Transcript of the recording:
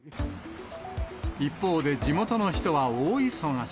一方で地元の人は大忙し。